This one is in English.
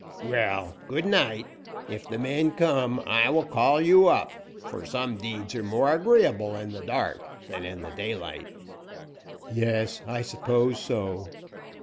"Well, good night. If the men come, I will call you up, for some deeds are more agreeable in the dark than in the daylight." "Yes, I suppose so."